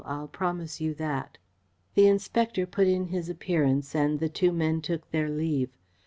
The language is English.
I'll promise you that." The inspector put in his appearance and the two men took their leave.